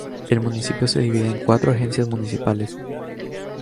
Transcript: El municipio de divide en cuatro agencias municipales.